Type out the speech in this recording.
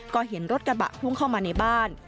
ก็เห็นรถกระบะพุ่งเข้ามาในบ้าน